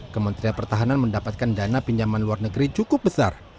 kementerian pertahanan mendapatkan dana pinjaman luar negeri cukup besar